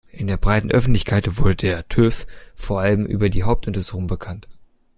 In der breiten Öffentlichkeit wurde „der TÜV“ vor allem über die Hauptuntersuchung bekannt.